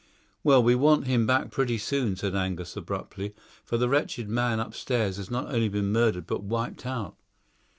"Well, we want him back pretty soon," said Angus abruptly, "for the wretched man upstairs has not only been murdered, but wiped out."